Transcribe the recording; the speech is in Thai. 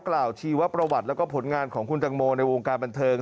กล่าวชีวประวัติและผลงานของคุณแตงโมในวงการบันเทิง